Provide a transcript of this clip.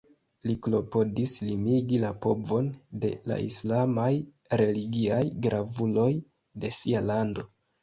Li klopodis limigi la povon de la islamaj religiaj gravuloj de sia lando.